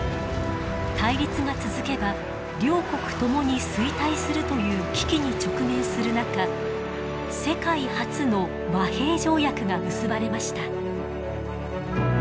対立が続けば両国ともに衰退するという危機に直面する中世界初の和平条約が結ばれました。